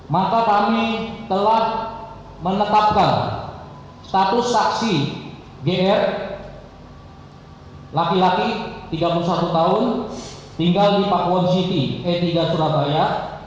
maka kami telah menetapkan status saksi gr laki laki tiga puluh satu tahun tinggal di pakuwon city e tiga surabaya